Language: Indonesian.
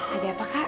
ada apa kak